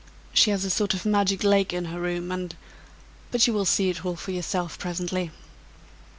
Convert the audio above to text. She has a sort of magic lake in her room, and but you will see it all for yourself presently."